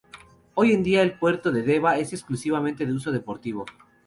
Hoy en día el puerto de Deva es exclusivamente de uso deportivo.